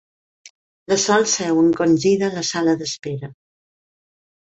La Sol seu encongida a la sala d'espera.